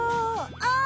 ああ！